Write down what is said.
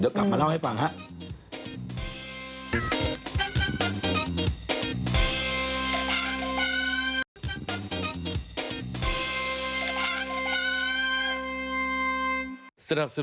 เดี๋ยวกลับมาเล่าให้ฟังครับ